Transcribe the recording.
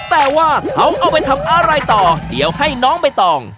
แต่ว่าเขาเอาไปทำอะไรต่อเดี๋ยวให้น้องใบตอง